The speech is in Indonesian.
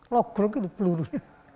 logrok itu pelurunya